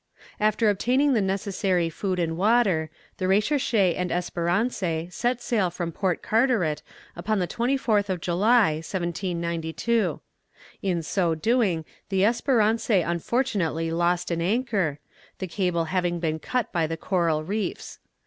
After obtaining the necessary wood and water, the Recherche and Espérance set sail from Port Carteret upon the 24th of July, 1792. In so doing the Espérance unfortunately lost an anchor, the cable having been cut by the coral reefs.